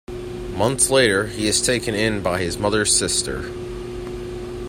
Months later, he is taken in by his mother's sister.